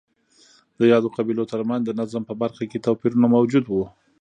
د یادو قبیلو ترمنځ د نظم په برخه کې توپیرونه موجود وو